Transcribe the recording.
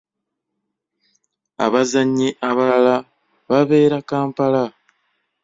Abazannyi abalala babeera Kampala.